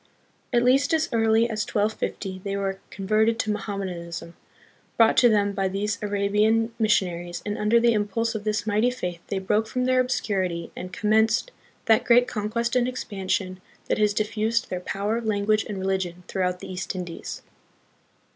At least as early as 1250 they were converted to Mohammedanism, brought to them by these Arabian missionaries, and under the impulse of this mighty faith they broke from their obscurity and commenced that great conquest and expansion that has diffused their power, language, and religion throughout the East Indies.